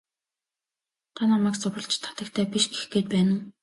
Та намайг сурвалжит хатагтай биш гэх гээд байна уу?